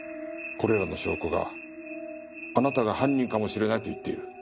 これらの証拠があなたが犯人かもしれないと言っている。